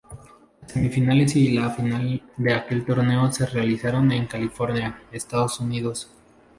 Las semifinales y la final de aquel torneo se realizaron en California, Estados Unidos.